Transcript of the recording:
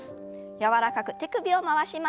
柔らかく手首を回します。